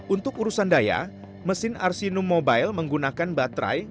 untuk urusan daya mesin arsinum mobile menggunakan baterai